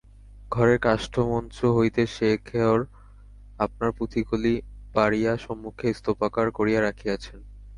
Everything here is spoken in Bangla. ঘরের কাষ্ঠমঞ্চ হইতে শেখর আপনার পুঁথিগুলি পাড়িয়া সম্মুখে স্তূপাকার করিয়া রাখিয়াছেন।